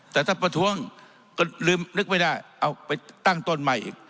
แต่ถ้าประท้วงก็ลืมนึกไม่ได้เอาไปตั้งต้นใหม่อีก